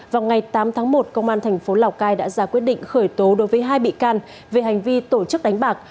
vào ngày tám tháng một công an thành phố lào cai đã ra quyết định khởi tố đối với hai bị can về hành vi tổ chức đánh bạc